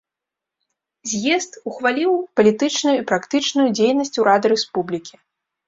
З'езд ухваліў палітычную і практычную дзейнасць урада рэспублікі.